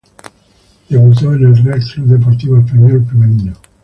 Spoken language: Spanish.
Debutó en el Real Club Deportivo Espanyol Femenino.